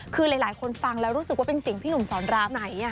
คือหลายคนฟังแล้วรู้สึกว่าเป็นเสียงพี่หนุ่มสอนรามไหน